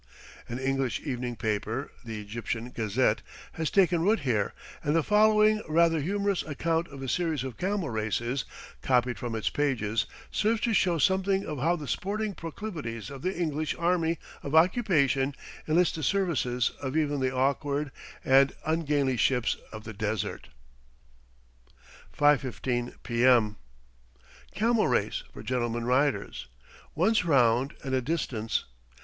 An English evening paper, the Egyptian Gazette, has taken root here, and the following rather humorous account of a series of camel races, copied from its pages, serves to show something of how the sporting proclivities of the English army of occupation enlist the services of even the awkward and ungainly ships of the desert: 5.15 p.m. Camel race, for gentlemen riders. Once round and a distance.